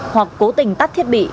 hoặc cố tình tắt thiết bị